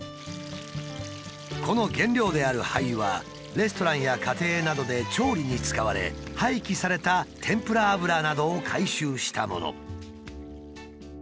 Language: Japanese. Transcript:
この原料である廃油はレストランや家庭などで調理に使われ廃棄された天ぷら油などを回収したもの。